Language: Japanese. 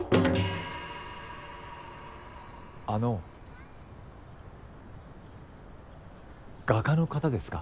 あの画家の方ですか？